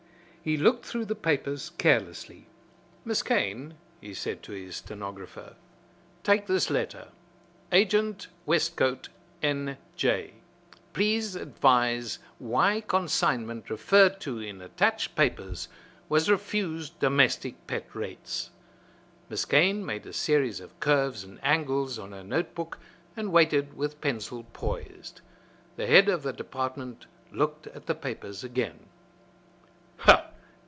He looked through the papers carelessly. "Miss Kane," he said to his stenographer, "take this letter. 'Agent, Westcote, N. J. Please advise why consignment referred to in attached papers was refused domestic pet rates."' Miss Kane made a series of curves and angles on her note book and waited with pencil poised. The head of the department looked at the papers again.